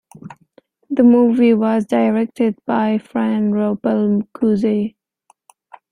The movie was directed by Fran Rubel Kuzui.